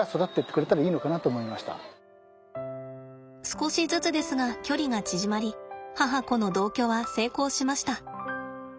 少しずつですが距離が縮まり母子の同居は成功しました。